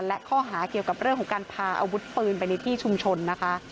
และข้อหาเกี่ยวกับเรื่องของการพาอาวุธปืนไปในที่ชุมชนนะคะ